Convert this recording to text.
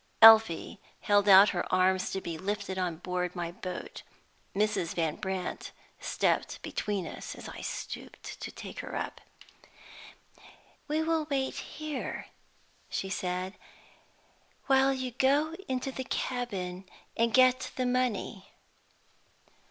Elfie held out her arms to be lifted on board my boat. Mrs. Van Brandt stepped between us as I stooped to take her up. "We will wait here," she said, "while you go into the cabin and get the money."